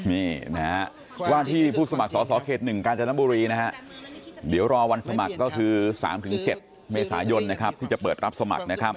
นี่นะฮะว่าที่ผู้สมัครสอสอเขต๑กาญจนบุรีนะฮะเดี๋ยวรอวันสมัครก็คือ๓๗เมษายนนะครับที่จะเปิดรับสมัครนะครับ